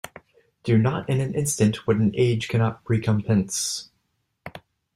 Do not in an instant what an age cannot recompense.